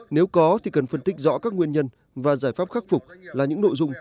nếu có thì cần phân tích rõ các nguyên nhân và giải pháp khắc phục là những nội dung